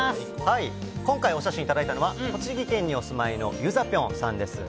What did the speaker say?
今回、お写真頂いたのは、栃木県にお住まいのユザピョンさんです。